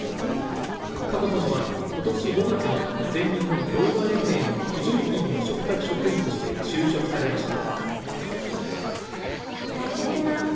佳子さまは今年５月に全日本ろうあ連盟の非常勤の嘱託職員として就職されました。